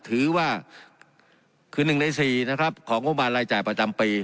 ถือว่าคือหนึ่งในสี่นะครับของโรงพยาบาลรายจ่ายประจำปี